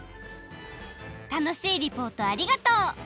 楽しいリポートありがとう！